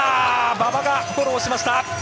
馬場がフォローしました。